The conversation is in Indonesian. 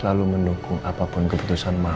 mau mengerti kita